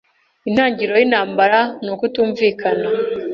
intangiriro y'intambara ni ukutumvikana